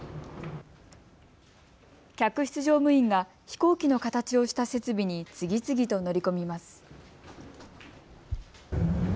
客室乗務員が飛行機の形をした設備に次々と乗り込みます。